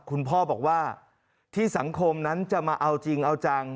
คุณพ่อบอกว่าที่สังคมนั้นจะมาเอาจริงเอาจัง